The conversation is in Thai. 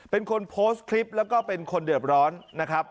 เป็นคนโพสต์คลิปแล้วก็เป็นคนเดือดร้อนนะครับ